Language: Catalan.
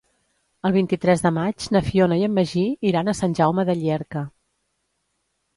El vint-i-tres de maig na Fiona i en Magí iran a Sant Jaume de Llierca.